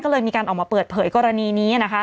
ก็เลยมีการออกมาเปิดเผยกรณีนี้นะคะ